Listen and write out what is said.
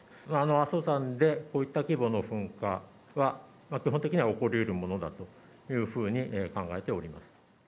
阿蘇山でこういった規模の噴火は、基本的には起こりうるものだというふうに考えております。